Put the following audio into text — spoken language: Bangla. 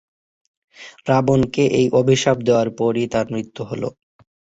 রাবণকে এই অভিশাপ দেওয়ার পরেই তাঁর মৃত্যু হলো।